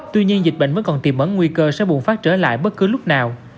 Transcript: tuy nhiên dịch bệnh vẫn còn tìm ấn nguy cơ sẽ bùng phát trở lại bất cứ lúc nào